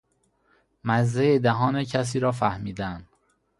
مزه دهان کسی را فهمیدن